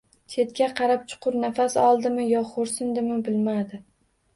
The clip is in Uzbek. Chetga qarab chuqur nafas oldimi yo xo`rsindimi, bilmadi